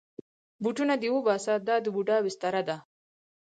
بوټونه دې وباسه، دا د بوډا بستره ده.